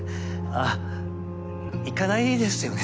あっ行かないですよね